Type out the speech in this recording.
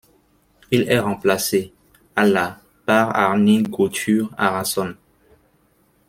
Il est remplacé à la par Árni Gautur Arason.